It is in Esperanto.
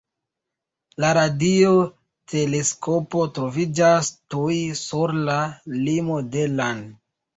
La radioteleskopo troviĝas tuj sur la limo de lan.